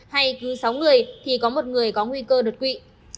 hay cứ sáu người thì có một người có nguy cơ đột quỵ